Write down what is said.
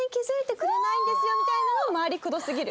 みたいなのは回りくどすぎる！